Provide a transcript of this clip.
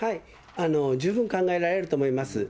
十分考えられると思います。